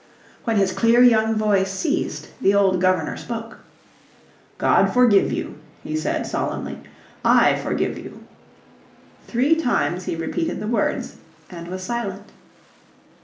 When his clear young voice ceased the old Governor spoke. "God forgive you," he said, solemnly. "I forgive you." Three times he repeated the words and was silent.